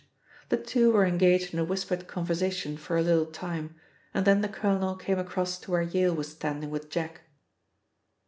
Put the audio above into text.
The two were engaged in a whispered conversation for a little time, and then the colonel came across to where Yale was standing with Jack.